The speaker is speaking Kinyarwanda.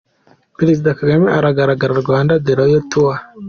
Perezida Kagame agaragara Rwanda The Royal Tour.